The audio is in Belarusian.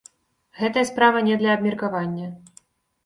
Гэтая справа не для абмеркавання.